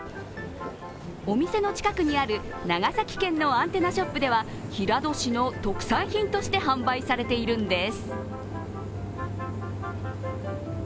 お店の近くにある長崎県のアンテナショップでは平戸市の特産品として販売されているんです。